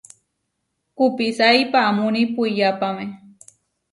Kupisái paamúni puiyápame.